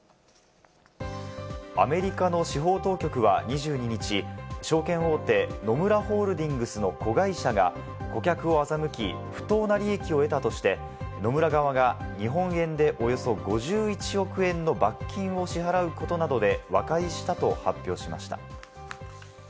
アメリカの司法当局は２２日、証券大手・野村ホールディングスの子会社が顧客を欺き、不当な利益を得たとして、野村側が日本円でおよそ５１億円の罰金を支払うことなどで和解したと発表しました。